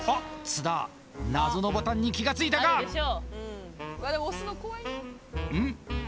津田謎のボタンに気がついたかうん？